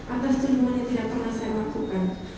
atas dukungan yang tidak pernah saya lakukan